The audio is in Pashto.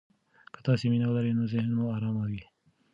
که تاسي مینه ولرئ، نو ذهن مو ارام وي.